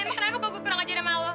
makna lu kok gue kurang aja udah mau